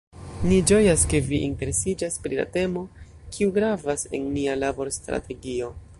Ni ĝojas, ke vi interesiĝas pri la temo, kiu gravas en nia laborstrategio.